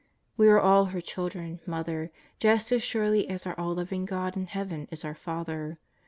We are all her children, Mother, just as surely as our all loving God in heaven is our Father.